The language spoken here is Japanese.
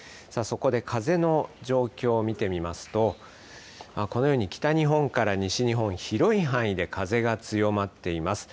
そこで風の状況を見てみますと、このように北日本から西日本、広い範囲で風が強まっています。